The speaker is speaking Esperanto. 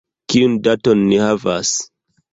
Kiun daton ni havas?